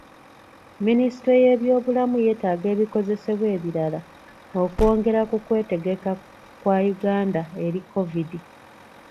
Minisitule y'ebyobulamu yeetaaga ebikozesebwa ebirala okwongera ku kwetegeka kwa Uganda eri kovidi.